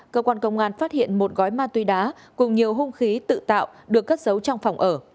cơ quan công an phát hiện một gói ma túy đá cùng nhiều hung khí tự tạo được cất giấu trong phòng ở